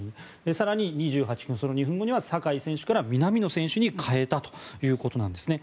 更に２８分、その２分後には酒井選手から南野選手に変えたということですね。